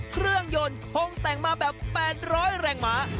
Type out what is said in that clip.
เครื่องยนต์โค้งแต่งมาแบบแปดร้อยแรงม้า